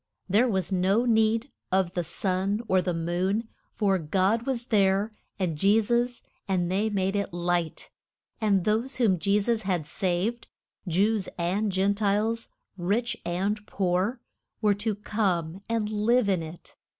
There was no need of the sun or the moon, for God was there and Je sus, and they made it light. And those whom Je sus had saved Jews and Gen tiles, rich and poor were to come and live in it.